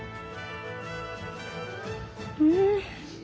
うん。